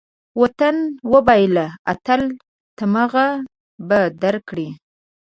وطن وبېله، اتل تمغه به درکړي